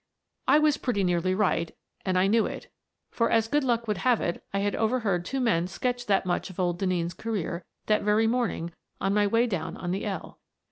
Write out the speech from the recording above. I was pretty nearly right, and I knew it, for, as good luck would have it, I had overheard two men sketch that much of old Denneen's career that very morning on my way down on the " L."